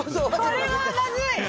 これはまずい。